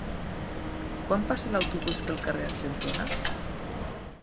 Quan passa l'autobús pel carrer Argentona?